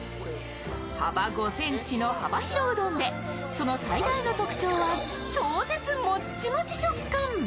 幅５ｃｍの幅広うどんで、その最大の特徴は超絶モチモチ食感。